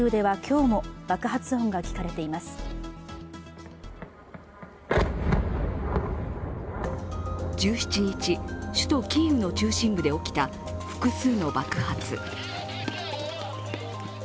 １７日、首都キーウの中心部で起きた複数の爆発。